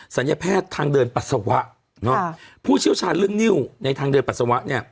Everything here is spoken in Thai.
ัญแพทย์ทางเดินปัสสาวะผู้เชี่ยวชาญเรื่องนิ้วในทางเดินปัสสาวะเนี่ย